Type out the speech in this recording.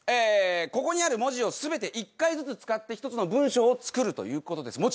ここにある文字を全て１回ずつ使って１つの文章を作るということです。